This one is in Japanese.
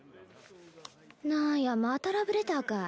何やまたラブレターか